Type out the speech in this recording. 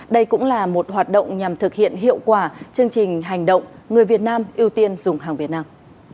đây cũng là một hoạt động nhằm thực hiện hiệu quả chương trình hành động người việt nam ưu tiên dùng hàng việt nam